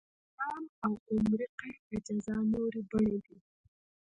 اعدام او عمري قید د جزا نورې بڼې دي.